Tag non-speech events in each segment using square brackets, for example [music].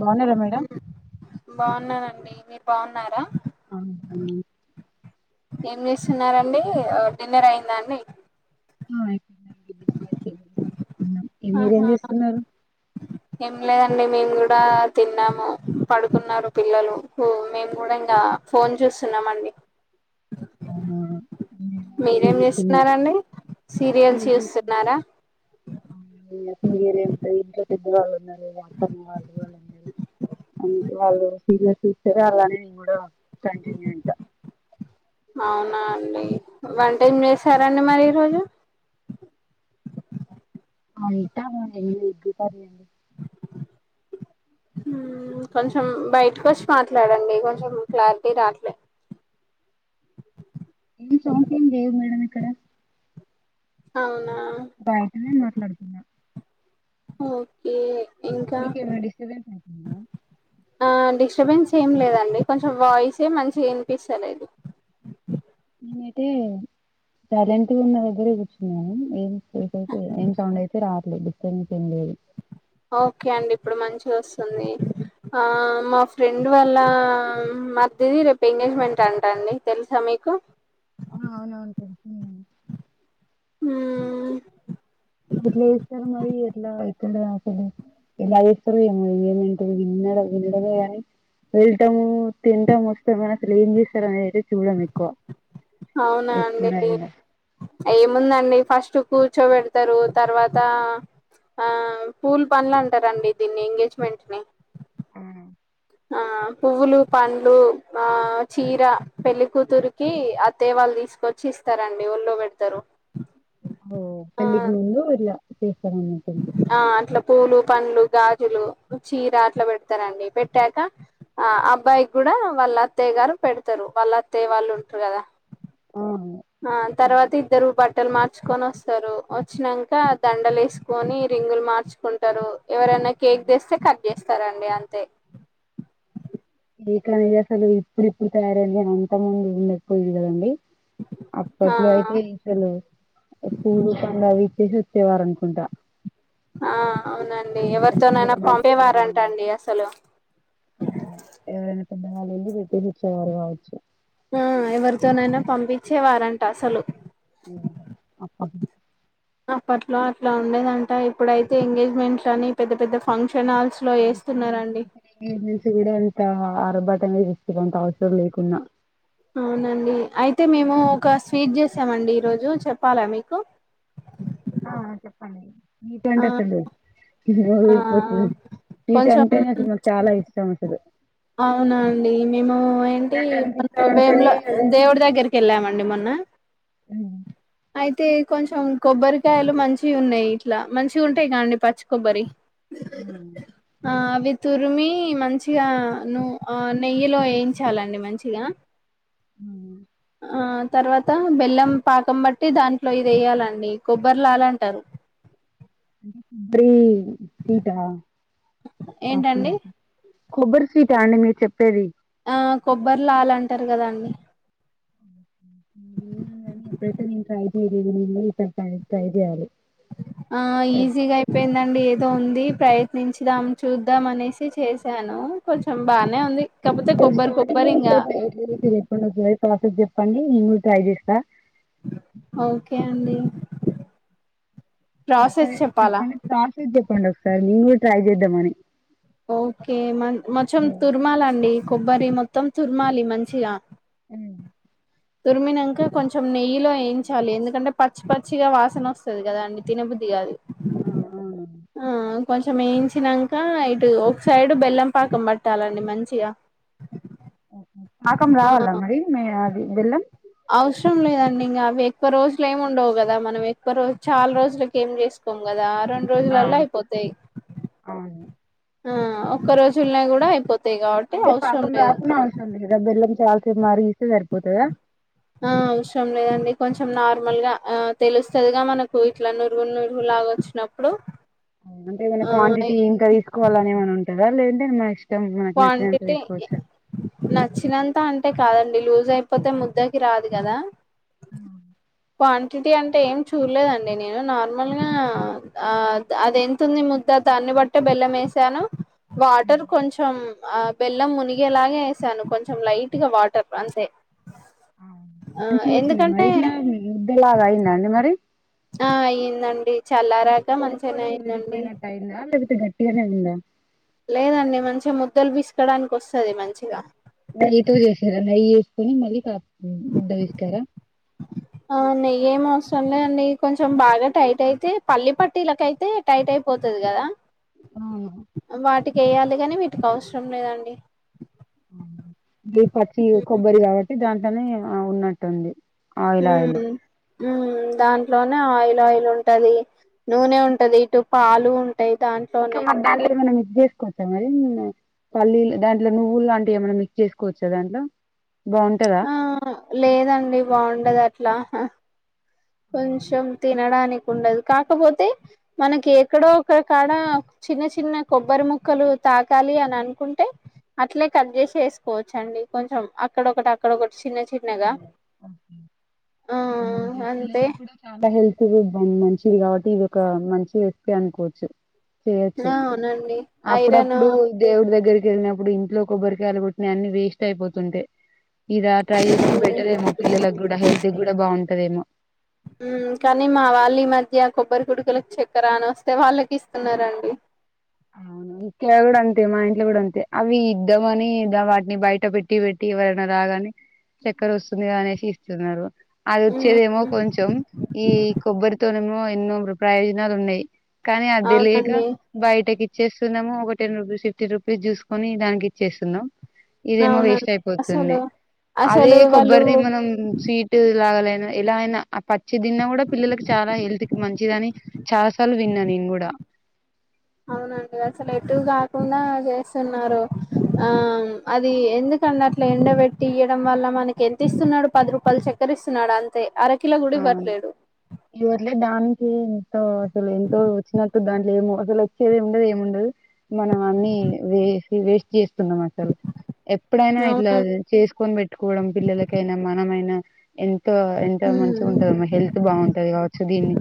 బాగున్నారా మేడం ఉన్నానండి మీరు బాగున్నారా ఆ ఏం చేస్తున్నరండి డిన్నర్ అయిందా అండి ఆ అయిపోఇందండి ఇ మీరు ఆహా ఎంత చెస్తున్నారు ఏం లేదండి మేము కూడా తిన్నాము పడుకున్నారు పిల్లలు మేము కూడా ఇంకా ఫోన్ చేూస్తున్నామండి అవునా టీవీ చూస్తున్నాం చేస్తున్నారండి సీరియల్స్ చూస్తున్నారా పెద్దవాళ్ళు ఉన్నారు మా అత్తమ్మ వాళ్ళు వాళ్ళు ఉన్నారు అందుకే వాళ్ళు సీనియస్ చూస్తూన్నారు అలానేే నేను కూడా కంటిన్యూ ఇంకా అవునా అండి వంట ఏం చేశారండి మరి రోజు అంటా మండి ఎగ్ కర్రీ ఎంద్ కొంచెం బయటికొచ్చి మాట్లాడండి కొంచెం క్లారిటీ రాట్లే ఏం సౌండ్స్ ఏం లేవు మేడం ఇక్కడ అవు బయటనే మాట్లాడుతున్నా ఓకే ఇంకా మీకు ఎమన్న డిస్టబెన్స్ అయితుందా ఆ డిస్టర్బెన్స్ ఏం లేదండి కొంచెం వాయిసే మంచిగా వినిపిస్తాలేదు నయితే సైలెంట్ ఉన్న దగ్గర కూర్చున్నాను ఏం స్పేష అయితే ఏం సౌండ్ అయితే రావట్లేదు డిస్టబెన్స్ లేదు ఓకే అండి ఇప్పుడు మంచి వస్తుంది ఆ మా ఫ్రెండు వాళ్ళ మరిదిది రేపు ఎంగేజ్మెంట్ అంటా అండి తెలుసా మీకు ఆ అవునవును తెలిసిందండి మ్మ్ ఎట్ల చేస్తరు మరి ఎట్లా ఏ తొందర అసలు ఎలా చేస్తారో ఏమో ఏమంటారు విన్నడమే కాని వెళ్తము తింటాం వస్తాం అసలు ఏం చేస్తారు అని అయితే చూడం ఎక్కువ అవునా అండి ఎప్పుడైనా ఏముందండి ఫస్ట్ కూర్చో పెడుతరు తర్వాత ఆ పూల పండ్లు అంటారండి దీన్ని ఎంగేజ్మెంట్ ని ఆ పువ్వులు పండ్లు ఆ చీర పెళ్లికూతురికి అత్తయ్య వాళ్ళు తీసుకొచ్చి ఇస్తారండి ఒళ్ళో పెడతారు ఓ పెళ్లి ఆ కి ముందు ఇట్ల చె స్థారాన్నట్టు ఆ అట్లా పూలు పండ్లు గాజులు చీర అట్లా పెడతారండి పెట్టాక ఆ అబ్బాయి కూడా వాళ్ళ అత్తయ్య గారు పెడతరు వాళ్ళ అత్తయ్య వాళ్ళు ఉంటరు కదా ఆ ఆ తర్వాత ఇద్దరు బట్టలు మార్ ఇచ్చుకొని వస్తరు వచ్చినంక దండలు వేసుకొని రింగులు మార్చుకుంటరు ఎవరన్న కేక్ తెస్తే కట్ చేస్త సరే అండి అంతే కేక్ అనేది అసలు ఇప్పుడు ఇప్పుడు తయారైందేమో అంత ముందు ఉండకపోయేది కదండి ఆ అప్పట్లో అయితే పైసలు పూలు పండ్లవి చేసి వచ్చేవారనుకుంటా ఆ అవునండి ఎవరితొనైనా రింగులు పంపేవారంట అండి అసలు మ్ ఎవరైన పెద్దవాళ్ళు వెళ్ళి పెట్టిపిచ్చేవారు కావచ్చు ఉమ్ ఎవరితోనైనా పంపించేవారంట అసలు హుమ్ అ ఆ అప్పట్లో అట్లా ఉండేదంట ఇప్పుడైతే ఎంగేజ్మెంట్లని పెద్ద పెద్ద ఫంక్షన్ హాల్స్ లో ఫంక్షన్ వేస్తున్నారండి హాల్స్ ఎంగేజ్మెంట్ కూడా అంతా ఆర్భటంగా చేస్తురు అంత అవసరం లేకున్నా అవునండి అయితే మేము ఒక స్వీట్ చే చేసామండి ఈ రోజు చెప్పాల మీకు అ చెప్పండి స్వీట్ ఆ అంటే అసలు నోరు ఆ ఊరిపోతుంది స్వీటు కొంచెం అంటేనే అసలు మాకు చాలా ఇష్టం అసలు అవున అండి మేము ఏంటి వేములో దేవుడి దగ్గరికి వెళ్ళామండి మొన్న అయితే కొంచెం కొబ్బరికాయలు మంచి ఉన్నాయి ఇట్ల మంచి ఉంటాయి కాండి పచ్చి కొబ్బరి ఆ అవి తుర్ మి మంచిగ అను ఆ నెయ్యిలో వయించాలండి మంచిగా ఊహు ఆ తర్వాత బెల్లం పాకం బట్టి దాంట్లో ఇది వేయ్యాలండి కొబ్బరి లాలంటారు బ్రి స్వీట ఓకే ఏంటండి కొబ్బరి స్వీటా అండి మీరు చెప్పేది ఆ కొబ్బరి లాల అంటారు కదండి విన్నాను కానీ ఎప్పుడైతే నేన ట్రై చేయలేదు నేను ఈ సారి ట్రై చేయాలి ఆ ఈజీగ అయిపోయింద అండి ఏదో ఉంది ప్రయత్నించిదాం చూద్దాం అనేసి చేశాను కొంచెం బానే ఉంది కాకపోతే అటె కొబ్బరి స్టార్టింగ్ కొబ్బరి నుంచి ఇంగా ఇక ప్రాసెస్ చెప్పండి నేను కూదా ట్రై చేస్తా ఓకే అండి ప్రాసెస్ ఒకసారి చెప్పాలా చెప్పండి. ప్రసేస్ చెప్పండి ఒక సరి నింగుడ్ ట్రై చేద్ద మనీ ఓకే మన్ మొచం తుర్మాల అండి. కొబ్బరి మొత్తం తుర్మాలి మంచిగా. ఉమ్, తురిమినంక. కొంచెం నెయ్యిలో ఏయించాలి. ఎందుకంటే పచ్చి పచ్చిగా వాసన వస్తది కదా అండి. తినబుద్ధి గా. ఆ అవును ఆహ్ కొంచెం వేయించిన్నంక. ఇటు ఒక సైడ్ బెల్లం పాకం పట్టాలండి మంచిగా. ఉహ్ హు పాకం రావాలా మరి మే అది బెల్లం. అవ్శ్రం లేదండి ఇంగా. అవి ఎక్కువ రోజులు ఏమి ఉండవు కదా, మనం ఎక్కువ రోజు చాలా రోజులక్ ఏం చేసుకోం కదా. రెండు ఆ రోజులల్ల అయిపోతాయి. అవును ఆహ్ ఒక్క రోజుల్నే కూడా అయిపోత్ అంటే పాకం రాకున్నా అవసరం లేదా బెల్లంద్. చల్ సేప్ మరిగిస్తే సరిపోతదా. ఆహ్ అవసరం లేదండి కొంచెం నార్మల్గా. ఆహ్ తెలుస్తదిగా మనకు ఇట్లా నురువు నురువులాగా వచ్చినప్పుడు. అంటే ఏమైనా ఆ క్వాంటిటీ ఇంకా తీసుకోవాలనే మనే ఉంటాద్ దా. లేనంటే మాన్ ఇష్టం. మనకు నచ్చినంత క్వాంటిటీ తీసుకోవచ్చా నచ్చినంత. అన్ అంటే కాదండి లూజ్ అయిపోతే ముద్దకి రాదు. కదా ఉహ్ అవున్ క్వాంటిటీ అంటే ఏం చూడలేదండి. నేను నార్మల్గా ఆ అది ఎంతుంది. ముద్ద దాన్ని బట్టే బెల్లం ఏసాను. వాటర్ కొంచ్ ఆ బెల్లం మునిగేలాగే ఏసాను. కొంచెం లైట్ గా వాటర్ అంతే ఆవు ఆ మంచిగా వచ్చిందా మరి ఎందుకంటే ఇట్లా ఉహ్ డిలాగా అయిందాండి మరి. అహ్ ఆయిందండి. చల్లరాక పొడి మంచిగానే పొడి అయిందండి. విడిపోయినట్టు అయిందా లేకపోతే గట్టిగానే ఉందా. లేదండి మంచిగా ముద్దలు పిస్కాడానికి వస్తది. మంచిగా నెయ్యితో జెసిర్ గాద. నెయ్యి ఏసుకొని మల్లి కా ఉహ్ ముంద్ధవిష్కాడా ఆహ్ నెయ్యేం అవసరం లే అండి. కొంచెం బాగా టైట్ అయితే పల్లి పట్టీలక అయితే టైట్ అయిపోతది. కదా వాటిక్ ఏయాలి గాని వీటికి అవ్శ్రం లేదండి. గి పచ్చియి ఉ కొబ్బరి కావట్టి దా దని ఆ ఉన్నట్టుంది ఆయిల్ ఆయిల్ ఉమ్ ఉమ్ దాంట్లోనే ఆయిల్ ఆయిల్ ఉంటది నూనె ఉంటది ఇటు పాలు ఉంటాయి దాంట్లోనే ఇవి చేసుకోవచ్చా మరి పల్లీలు దాంట్లో నువ్వు లాంటివి ఏమైన్నా మిక్స్ చేసుకోవచ్చా దాంట్లో బాగుంటదా ఆ లేదండి బాగుండది అట్లా అట్ల కొంచెం తినడాని ఉండదు కాకపోతే మనకి ఎక్కడో ఒక్క కాడ చిన్న చిన్న కొబ్బరిముక్కలు తకాలి అని అనుకుంటే అట్లే కట్ చేసి ఏసుకోవచ్చు అండి కొంచెము అక్కడోకటి అక్కడోకటి చిన్న చిన్నగా ఆ మంచిగా అంత పిల్లలకి చాలా హెల్త్ ది బన్ మంచిది కాబట్టి ఇది ఒక మంచి రెసిపీ అనుకోవచ్చు చేయొచ్చు ఆ అవునండి అప్పుడప్పుడు ఐరన్ దేవుడి దగ్గరికి వెళ్గినప్పుడు ఇంట్లో కొబ్బరికాయలు కోట్టినయి అన్ని వేస్ట్ అయిపోతుంటే ఇద ట్రై చేసి పెట్టారేమో పిల్లలకు గుడా హెల్త్ గుడా బా బవుంటదేమో ఉ కానీ మా వాళ్ళు ఈ మధ్య కొబ్బరి కుడుకులకు చక్కరాని వస్తే వాళ్ళకి ఇస్తున్నారండి అవును ఇక్కడ కూడా అంతే మా ఇంట్లో కూడా అంతే అవి ఇద్దాంమని వాటిని బయట పెట్టి పెట్టి ఎవరైనా రాగానే చక్కర వస్తుంది కద అనేసి ఇస్తున్నారు అది ఉమ్ వచ్చేదేమో ఉమ్, కొంచెం ఈ కొబ్బరితోనే ఉ ఎన్నో ము ప్రయోజనాలు ఉన్నాయి కానీ అదే లేక అవునండి బయ ట్టేకి ఇచ్చేస్తున్నాము ఒక టెన్ రూపీస్ పిఫ్టీ రూపీస్ చూసుకొని దానికి ఇచ్చేస్తున్నాం ఇదేమో వేస్ట్ అవునండి అయిపోతుంది అసలు అదే అసలు వాళ్ళు కొబ్బరిది మనం స్వీట్ లాగాలే ఎలా అయిన పచ్చి దిన్న కూడా పిల్లలకి చాలా హెల్త్ మంచిదని చాలా సార్లు విన్నా నేను కూడా అవునండి అసలు ఎటు కాకుండా చేస్తున్నారు ఆ అది ఎందుకండి అట్లా ఎండబట్టి ఇయడం వల్ల మనకి ఎంత ఇస్తున్నాడు పది రూపాల చక్కర ఇస్తున్నాడు అంతే అర కిల గుడ ఇవ్వట్లేడు తేనే తో అసలు ఎంతో వచ్చినట్టు దాన్ని లెమో అసలు వచ్చేది ఉండదు ఏమిండదు మనం అన్ని వేసి వేస్ట్ చేస్త కున్నం అసలు ఎప్పుడైనా ఇట్లా అవును చేసుకొని పెట్టుకోవడం పిల్లలకైనా మనమైనా ఎంతో ఎంతో మంచి ఉమ్, ఉంటదమ్మా హెల్త్ బావుంటది కావట్ సో దీన్ని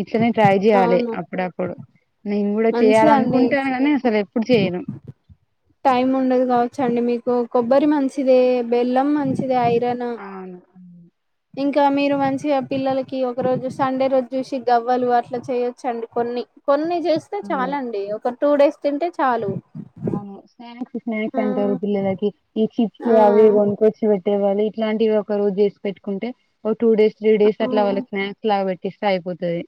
ఇ సో నేన్ ట్రై చేయ్యాలి అవును అప్పుడప్పుడు నేను కూడ మంచిదండి చేయాలనుకుంటాన్న కానీ అసల్ ఎప్ ఇప్పుడు చేయను టైమ్ ఉండదు కావచ్చండి మీకు కొబ్బరి మంచిదే బెల్లం మంచిదె అఐ డణ ఇంకా మీరు మంచిగా పిల్లలకి ఒక రోజు సండే రోజు చూసి గవ్వలు అట్లా చేయొచ్చండి కొన్ని కొన్ని చేస్తే చాలండి ఒక టూ డేస్ తింటే చాలు అవును స్నాక్స్ ఆ స్నాక్స్ అంటారు పిల్లలకి ఈ చిప్స్ ఆ అవి ఇవి కొనుకొచ్చి పెట్ టె వాళ్ళు ఇట్లాంటివి ఒక రోజు చేసి పెట్టుకుంటే ఒక టూ డేస్ త్రీ డేస్ ఆ అట్లా వాళ్ళకి స్నాక్స్ లాగా పెట్టిస్తే అయిపోతది.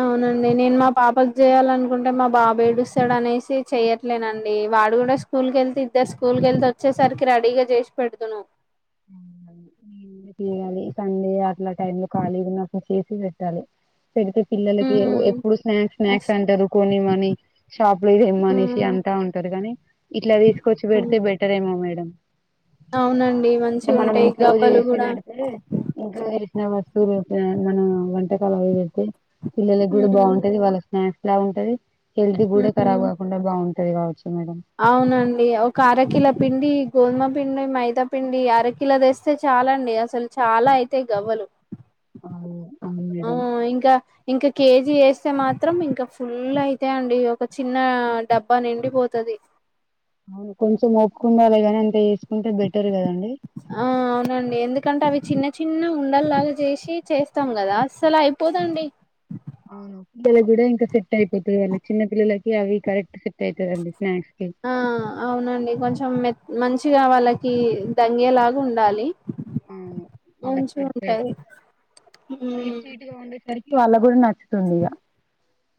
అవునండి నేను మా పాపకు చేయాలనుకుంటే, మా బాబ్ ఏడుస్తాడు అనేసి చెయట్లేదండి. వాడు కూడ స్కూల్కెళ్తే ఇద్దర్ స్కూల్ కెళ్ళి వచ్చేసరికి రడీగా చేసి పెడుదును. చేయాలి సండే అట్లా టైమ్ లో ఖాళీగున్నప్పుడు చేసి పెట్టాలి. పెడితె పిల్లలకి హ్మ్. ఎప్పుడు స్నాక్స్ అస్ స్నాక్స్ అంటారు కొనీమని షాప్ లో దెమ్మనేసి హ్మ్. అంటా ఉంటారు కానీ ఇట్లా తీసుకొచ్చి పెడితే బెటర్ ఏమో మేడం అ అవునన్ ఇట్ల మనం ఇంట్లో చేసిబెడితే ఇంట్లోవారి ఫేమస్ తిరిగొత్తాయేమో మనం వంటకాలు అవి పెడితె పిల్లలకి గుడా హ్మ్. బాగుంటది వాళ్ళకి స్నాక్ లా ఉంటది. హెల్ద్ గూడ ఖరాబ్ హ్మ్. కాకుండా బాన్ తయి కావచ్చు మేడం అవునండి ఒక అరకిల పిండి గోధుమపిండి మైదాపిండి అరకిలో వేస్తే చాలండి అసలు చాలా అయితయి గవ్వలు. అవును అవును ఆ మేడం ఇంకా ఇంకా కేజీ ఏస్ స్తే మాత్రం ఇంక ఫుల్ అయితాయండి ఒక చిన్న డబ్బా నిండిపోతది. అవును కొంచెం ఓపికున్నాలె గాని అంటే ఆ అవునండి ఎందుకంటే అవి చిన్న చిన్న ఉండల్లాగ చేసి చేస్తాం కదా అస్సల్ అయిపోదండి పిల్లల్కూడ ఇంక సెట్ అయిపోద్ది వాళ్ళ చిన్న పిల్లలకి అవి కరెక్ట్ సెట్ అయితదండి స్నాక్స్ కి ఆ అవునండి కొంచెం మె మంచి చ్చిగా వాళ్ళకి దంగేలాగా ఉండాలి మంచిగా ఉంటాయి అలాగ గురి నా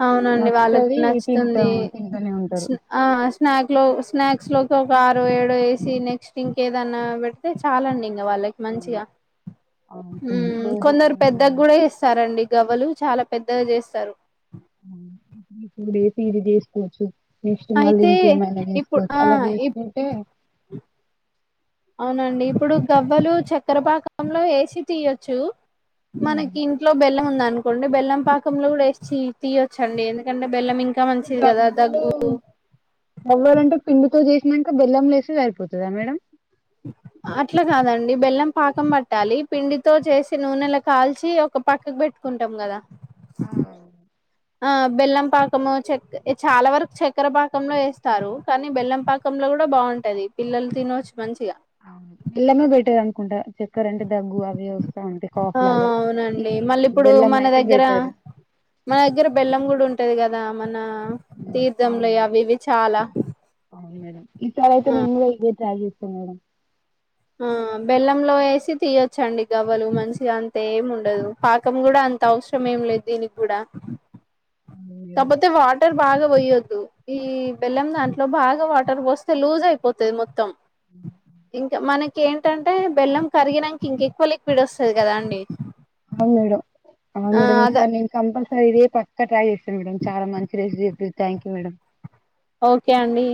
అవునండి వాళ్ళకి తింటా నచ్చుతుంది తింటనే ఉంటారు ఆ స్నాక్ లో స్నాక్ నక్ లో ఒక ఆరు ఏడ వేసి నెక్స్ట్ ఇంకేదన్నా పెడితే చాలా అండి ఇంకా వాళ్ళకి మంచిగా ఉ అవును రోజు కొందరు పెద్దగా కూడా చేస్తారండి గవలు చాలా పెద్దగా చేస్తారు డేసి ఇది చేసుకోవచ్చు నెక్స్ట్ మళ్ళీ అయితే ఇంకేమైనా ఇప్పుడు చేసుకోవచ్చు ఆ అలా ఇప్ చేసుకుంటే అవునండి ఇప్పుడు గవ్వలు చక్కెరపాకంలో ఏసి తీయచ్చు హ్మ్. మనకి ఇంట్లో బెల్లం ఉందం అనుకొండి బెల్లం పాకంలో కూడా వేసి తి తీయొచ్చండి ఎందుకంటే బెల్లం ఇంకా మంచిది కదా గవ్వలు దగ్గు గవ్వలుంటే పిండితో చేస్ నక బెల్లం లేసిది అయిపోతుదా మేడం అట్లా కాదండి బెల్లం పాకం పట్టాలి పిండితో చేసే నూనెలా కాల్చి ఒక పక్కకు పెట్టుకుంటాం కదా ఆ బెల్లం పాకము చ చాలా వరకు చక్కెర పాకంలో వేస్తారు, కానీ బెల్లం పాకంలో కూడా బాగుంటది పిల్లలు తినొచ్చు ఎలమ బెటది అందకుంట చక్కెర అంటే దగ్గు అవి వస్తా ఉంటాయి కాఫ్ ఆ లాగా ఈ అవునండి మళ్ళీ ఇప్పుడు వెల్లమ మన అయితే దగ్గర బెటర్ మన దగ్గర బెల్లం కూడా ఉంటది కదా మన తీర్థంలో అవి ఇవి చాలా ఈ సర యితే ఆ నింగ్ ఇదతే ఆగితే [inaudible] ఆ బెల్లంలో వేసి తీయొచ్చండి గవ్వలు మంచిగా అంత ఏమి ఉండదు, పాకం కూడా అంత అవసరం ఏమి లేదు దీనికి కూడా అవును మేడం. కాకపోతే వాటర్ భాగం పోయొద్దు ఈ బెల్లం దాంట్లో బాగా వాటర్ పోస్తే లూజ్ అయిపోతుది మొత్తం ఇంకా మనకి ఇంక ఏంటంటే బెల్లం కరిగినక ఇంకెక్కువ లిక్విడ్ వస్తుంది కదా అండి అవు మేడ అవు ఆ అద మేడసార్ కంపల్స స ఇదే పక్క ట్రాై చేస్త మేడం చాలా మంది రేసి చెప్పి థ్యాంక్ యూ మేడమ్ ఓకే అండి